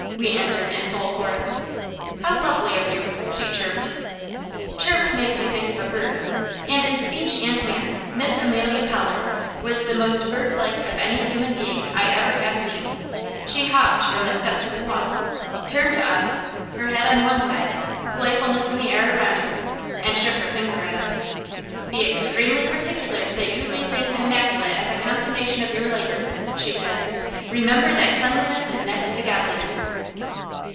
we answered in full chorus. "How lovely of you!" she chirped. Chirp makes you think of a bird; and in speech and manner Miss Amelia Pollard was the most birdlike of any human being I ever have seen. She hopped from the step to the walk, turned to us, her head on one side, playfulness in the air around her, and shook her finger at us. "Be extremely particular that you leave things immaculate at the consummation of your labour," she said. "'Remember that cleanliness is next to Godliness!'"